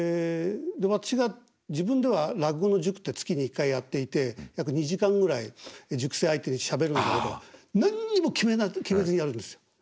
私が自分では落語の塾って月に一回やっていて約２時間ぐらい塾生相手にしゃべるんだけど何にも決めずにやるんですよ。